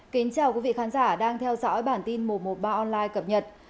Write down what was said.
kính chào quý vị khán giả đang theo dõi bản tin một trăm một mươi ba online cập nhật